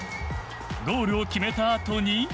ゴールを決めたあとに。